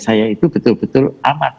saya itu betul betul amat